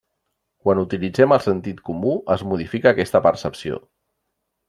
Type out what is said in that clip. Quan utilitzem el sentit comú, es modifica aquesta percepció.